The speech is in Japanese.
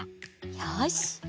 よし！